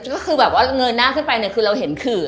ก็คือแบบว่าเงยหน้าขึ้นไปเนี่ยคือเราเห็นขื่อ